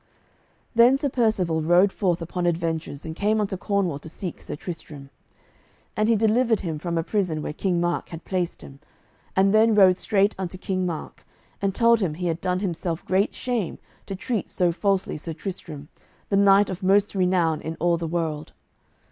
Then Sir Percivale rode forth upon adventures, and came unto Cornwall to seek Sir Tristram. And he delivered him from a prison where King Mark had placed him, and then rode straight unto King Mark and told him he had done himself great shame to treat so falsely Sir Tristram, the knight of most renown in all the world.